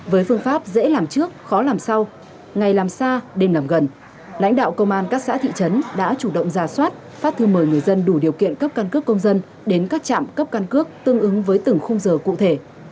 với phương pháp dễ làm trước khó làm sau ngày làm xa đêm làm gần lãnh đạo công an các xã thị trấn đã chủ động ra soát phát thư mời người dân đủ điều kiện cấp căn cước công dân đến các trạm cấp căn cước tương ứng với từng khung giờ cụ thể